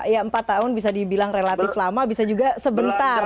ya empat tahun bisa dibilang relatif lama bisa juga sebentar